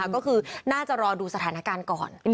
ก็คือน่าจะรอดูสถานการณ์ก่อน